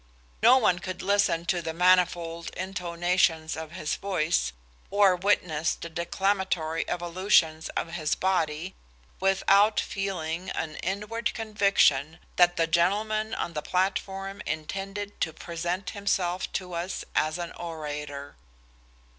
No one could listen to the manifold intonations of his voice, or witness the declamatory evolutions of his body, without feeling an inward conviction that the gentleman on the platform intended to present himself to us as an orator.